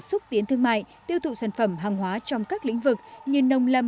xúc tiến thương mại tiêu thụ sản phẩm hàng hóa trong các lĩnh vực như nông lâm